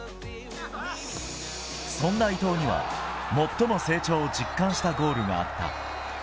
そんな伊東には、最も成長を実感したゴールがあった。